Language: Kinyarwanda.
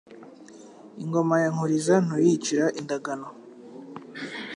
Ingoma ya Nkuriza Ntuyicira indagano